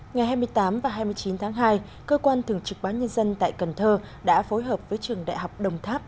ngày hai mươi tám và hai mươi chín tháng hai cơ quan thường trực bán nhân dân tại cần thơ đã phối hợp với trường đại học đồng tháp